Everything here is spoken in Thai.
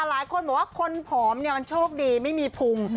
หลายคนบอกว่าคนผอมมันโชคดีไม่มีภูมิ